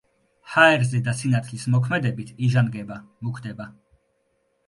ჰაერზე და სინათლის მოქმედებით იჟანგება, მუქდება.